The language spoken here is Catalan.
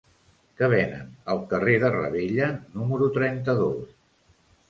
Què venen al carrer de Ravella número trenta-dos?